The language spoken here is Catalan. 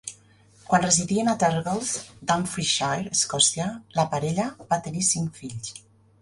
Quan residien a Terregles, Dumfriesshire, Escòcia, la parella va tenir cinc fills.